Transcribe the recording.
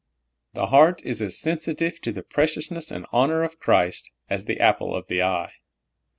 The heart is as sensitive to the preciousness and honor of Christ as the apple of the eye.